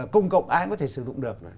công cộng ai cũng có thể sử dụng được